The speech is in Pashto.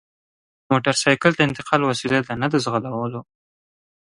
موټرسایکل د انتقال وسیله ده نه د ځغلولو!